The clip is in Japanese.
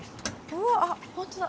うわあ本当だ。